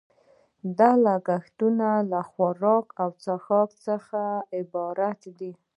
دغه لګښتونه له خوراک او څښاک څخه عبارت دي